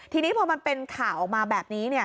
ทีนี้พอมันเป็นข่าวออกมาแบบนี้